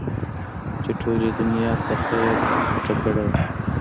چې ټولې دونيا نه يې پټه کړې وه.